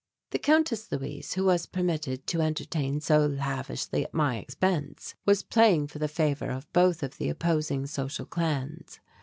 The Countess Luise, who was permitted to entertain so lavishly at my expense, was playing for the favour of both of the opposing social clans.